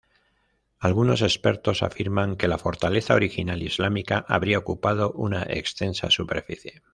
Algunos expertos afirman que la fortaleza original islámica habría ocupado una extensa superficie.